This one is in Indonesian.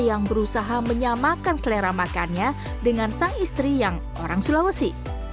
yang berusaha menyamakan selera makannya dengan sang istri yang orang sulawesi